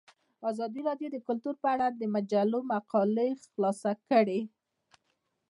ازادي راډیو د کلتور په اړه د مجلو مقالو خلاصه کړې.